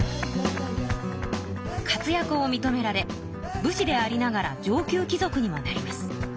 活やくをみとめられ武士でありながら上級貴族にもなります。